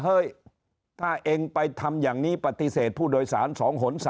เฮ้ยถ้าเองไปทำอย่างนี้ปฏิเสธผู้โดยสาร๒หน๓